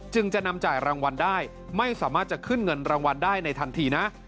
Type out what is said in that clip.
จะนำจ่ายรางวัลได้ไม่สามารถจะขึ้นเงินรางวัลได้ในทันทีนะ